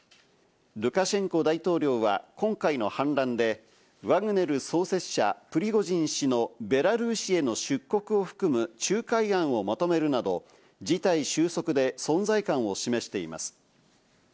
ルカシェンコ大統領は今回の反乱でワグネル創設者・プリゴジン氏のベラルーシへの出国を含む仲介案をまとめるなど、事態収束で存在感を示しています。